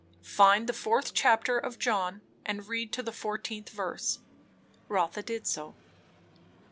"Find the fourth chapter of John, and read to the fourteenth verse." Rotha did so.